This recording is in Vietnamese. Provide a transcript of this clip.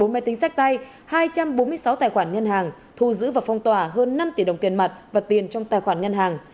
bốn máy tính sách tay hai trăm bốn mươi sáu tài khoản ngân hàng thu giữ và phong tỏa hơn năm tỷ đồng tiền mặt và tiền trong tài khoản ngân hàng